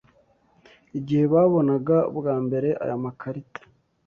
Igihe babonaga bwa mbere aya makarita